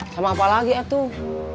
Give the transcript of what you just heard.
sama apa lagi ya tuh